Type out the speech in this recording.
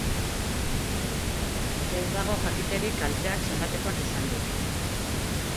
Ez dago jakiterik kalteak zenbatekoak diren.